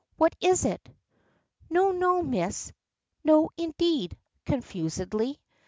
"What is it?" "No, no, Miss! No, indeed!" confusedly.